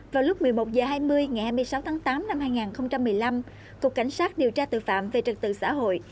vào lúc một mươi một h hai mươi ngày hai mươi sáu tháng tám năm hai nghìn một mươi năm cục cảnh sát điều tra tội phạm về trật tự xã hội